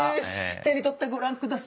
手に取ってご覧くださーい。